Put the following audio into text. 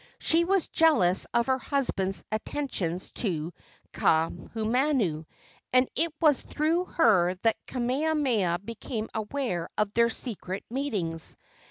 She was jealous of her husband's attentions to Kaahumanu, and it was through her that Kamehameha became aware of their secret meetings.